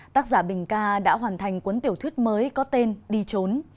tác giả bình ca đã hoàn thành cuốn tiểu thuyết mới có tên đi trốn